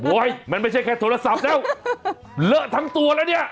มันไม่ใช่แค่โทรศัพท์แล้วเลอะทั้งตัวแล้วเนี่ย